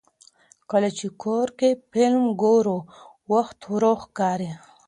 کله چې کور کې فلم ګورو، وخت ورو ښکاري.